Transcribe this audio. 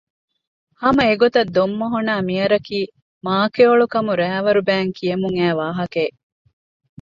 ހަމަ އެގޮތަށް ދޮންމޮހޮނާއި މިޔަރަކީ މާކެޔޮޅުކަމު ރައިވަރު ބައިން ކިޔެމުން އައީ ވާހަކައެއް